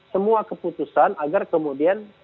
semua keputusan agar kemudian